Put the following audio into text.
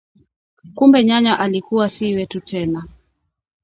Kumbe nyanya alikuwa si wetu tena